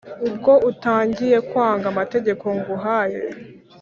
Ubwo utangiye kwangaAmategeko nguhaye,